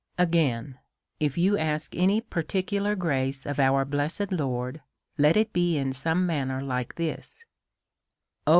Again, if you ask any particular j:^race of our bless ed Lord, let it be in some manner like this :" O